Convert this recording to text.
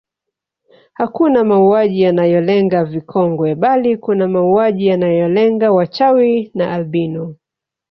Hakuna mauaji yanayolenga vikongwe bali kuna mauaji yanayolenga wachawi na albino